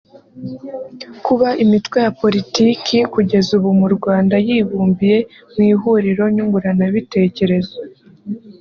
Kuba imitwe ya Politiki kugeza ubu mu Rwanda yibumbiye mu ihuriro nyunguranabitekerezo